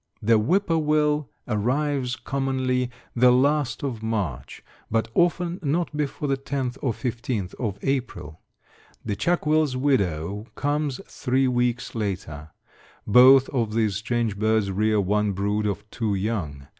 The whippoorwill arrives, commonly, the last of March, but often not before the 10th or 15th of April. The chuckwills widow comes three weeks later. Both of these strange birds rear one brood of two young.